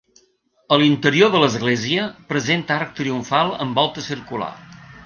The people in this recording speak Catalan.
A l'interior de l'església presenta arc triomfal en volta circular.